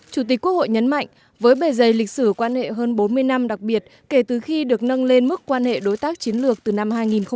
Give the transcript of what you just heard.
chủ tịch quốc hội nhấn mạnh với bề dày lịch sử quan hệ hơn bốn mươi năm đặc biệt kể từ khi được nâng lên mức quan hệ đối tác chiến lược từ năm hai nghìn một mươi